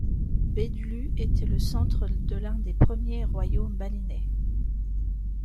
Bedulu était le centre de l'un des premiers royaumes balinais.